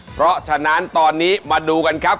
เพราะฉะนั้นตอนนี้มาดูกันครับ